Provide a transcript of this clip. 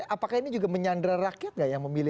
apakah ini juga menyandra rakyat nggak yang memilih